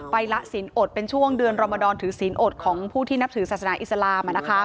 ละศีลอดเป็นช่วงเดือนรมดรถือศีลอดของผู้ที่นับถือศาสนาอิสลาม